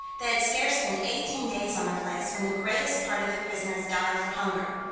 They had scarce been eighteen days on the place, when the greatest part of the prisoners died for hunger.